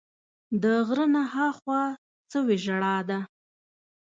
د غره نه ها خوا سوې ژړا ده